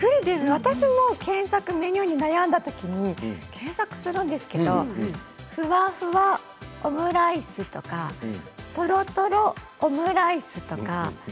私も検索、メニューに悩んだときに検索するんですけれどふわふわオムライスとかとろとろオムライスとか。